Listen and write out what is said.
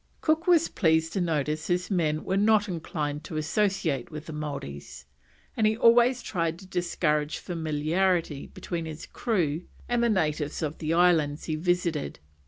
Cook was pleased to notice his men were not inclined to associate with the Maoris, and he always tried to discourage familiarity between his crew and the natives of the islands he visited.